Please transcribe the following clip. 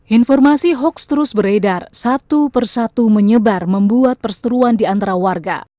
informasi hoax terus beredar satu persatu menyebar membuat perseteruan di antara warga